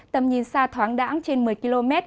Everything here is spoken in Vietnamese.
tầm nhìn xa thoáng đẵng trên một mươi km